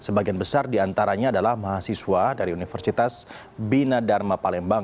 sebagian besar diantaranya adalah mahasiswa dari universitas bina dharma palembang